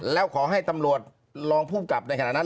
แล้วขอให้ตำรวจรองภูมิกับในขณะนั้น